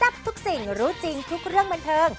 ทุกสิ่งรู้จริงทุกเรื่องบันเทิง